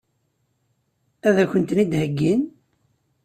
Ad kent-ten-id-heggin?